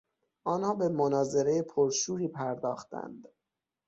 آنها به مناظرهی پر شوری پرداختند.